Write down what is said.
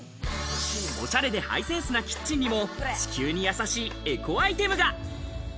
おしゃれでハイセンスなキッチンにも、地球に優しいエコアイテムが。